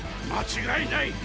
間違いない。